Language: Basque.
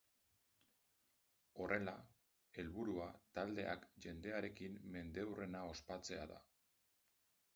Horrela, helburua taldeak jendearekin mendeurrena ospatzea da.